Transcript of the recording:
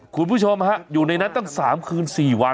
คุณผู้ชมฮะอยู่ในนั้นตั้ง๓คืน๔วัน